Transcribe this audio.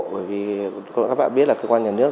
bởi vì các bạn biết là cơ quan nhà nước